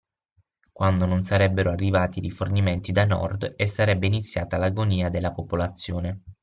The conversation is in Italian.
Quando non sarebbero arrivati rifornimenti da Nord, e sarebbe iniziata l’agonia della popolazione.